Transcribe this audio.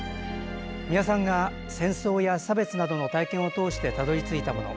美輪さんが戦争や差別などの体験を通してたどり着いたもの。